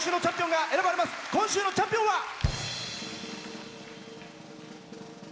今週のチャンピオンは。